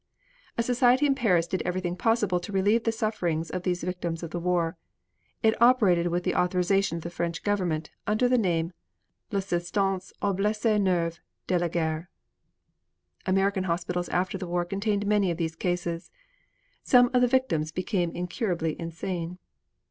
A society in Paris did everything possible to relieve the sufferings of these victims of the war. It operated with the authorization of the French Government under the name "L'Assistance aux Blesses Nerveux de la Guerre." American hospitals after the war contained many of these cases. Some of the victims became incurably insane.